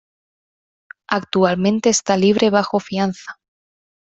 Actualmente está libre bajo fianza.